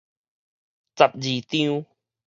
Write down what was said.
十二張